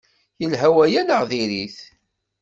Yelha waya neɣ diri-t?